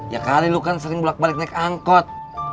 ya kali lu kan sering bulat balik naik angkot